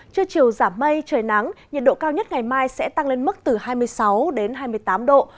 trưa chiều giảm mây trời nắng nhiệt độ cao nhất ngày mai sẽ tăng lên mức từ hai mươi sáu đến hai mươi tám độ